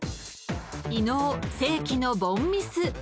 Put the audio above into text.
［伊野尾世紀の凡ミス］